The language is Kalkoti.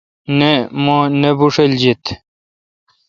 نہ مہ نہ بوݭلجیت۔